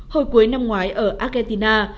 hồi cuối năm ngoái ở argentina